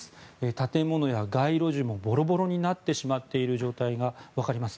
建物や街路樹もボロボロになってしまっている状態が分かります。